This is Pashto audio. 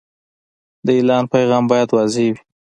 د اعلان پیغام باید واضح وي.